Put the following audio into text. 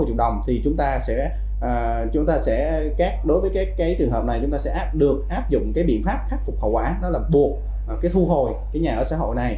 bốn mươi sáu mươi triệu đồng thì chúng ta sẽ các đối với cái trường hợp này chúng ta sẽ được áp dụng cái biện pháp khắc phục hậu quả đó là buộc thu hồi nhà ở xã hội này